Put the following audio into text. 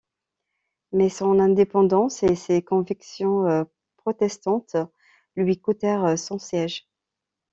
Mais son indépendance et ses convictions protestantes lui coûtèrent son siège.